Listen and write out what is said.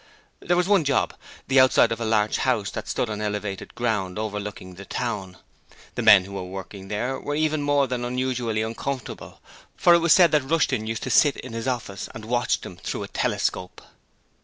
There was one job, the outside of a large house that stood on elevated ground overlooking the town. The men who were working there were even more than usually uncomfortable, for it was said that Rushton used to sit in his office and watch them through a telescope.